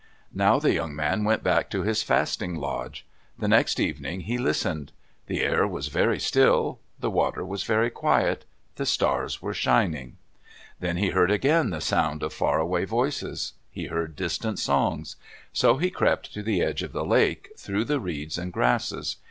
Now the young man went back to his fasting lodge. The next evening he listened. The air was very still. The water was very quiet. The stars were shining. Then he heard again the sound of far away voices. He heard distant songs. So he crept to the edge of the lake, through the reeds and grasses.